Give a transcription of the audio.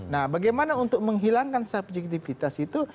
nah bagaimana untuk menghilangkan subjektivitas itu